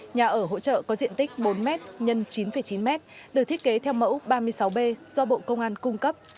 nhà ở hỗ trợ có diện tích bốn m x chín chín m được thiết kế theo mẫu ba mươi sáu b do bộ công an cung cấp